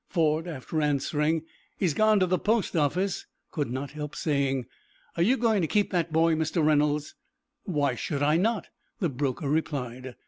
Ford, after answering, "he has gone to the post office," could not help saying, "Are you going to keep that boy, Mr. Reynolds?" "Why should I not?" the broker replied.